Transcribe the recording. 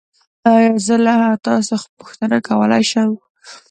ایا زه له تاسو پوښتنه کولی شم؟